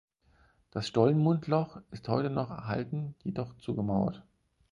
Das Stollenmundloch ist heute noch erhalten, jedoch zugemauert.